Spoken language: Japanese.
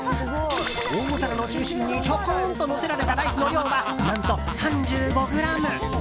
大皿の中心にちょこんとのせられたライスの量は、何と３５ｇ。